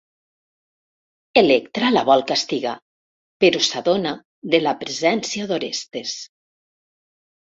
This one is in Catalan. Electra la vol castigar, però s'adona de la presència d'Orestes.